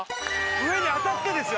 上に当たってですよ